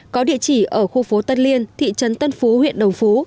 có địa chỉ ở khu phố tân liên thị trấn tân phú huyện đồng phú